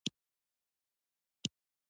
د پښتو خدمت کوونکی